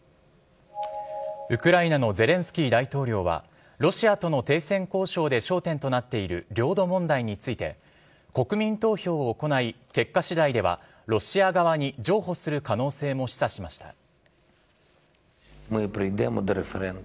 ウクライナのゼレンスキー大統領は、ロシアとの停戦交渉で焦点となっている領土問題について、国民投票を行い、結果しだいでは、ロシア側に譲歩する可能性も示唆しました。